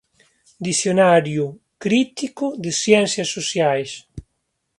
Dicionario Crítico de Ciencias Sociais.